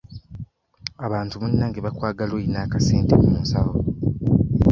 Abantu munnange bakwagala oyina akasente mu nsawo.